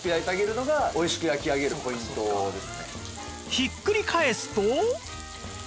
ひっくり返すと